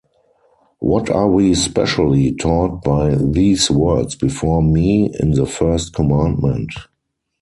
What are we specially taught by these words before me in the first commandment?